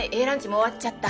もう終わっちゃった。